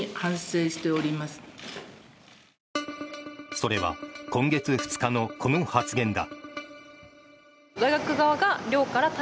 それは今月２日のこの発言だ。